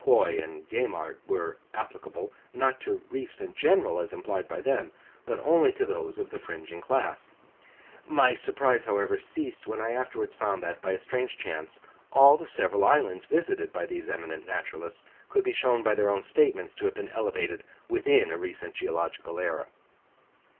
Quoy and Gaimard were applicable, not to reefs in general as implied by them, but only to those of the fringing class; my surprise, however, ceased when I afterwards found that, by a strange chance, all the several islands visited by these eminent naturalists, could be shown by their own statements to have been elevated within a recent geological era.